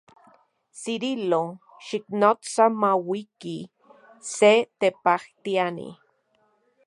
Cirilo, xiknotsa mauiki se tepajtiani.